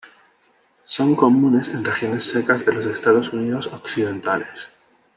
Son comunes en regiones secas de los Estados Unidos occidentales.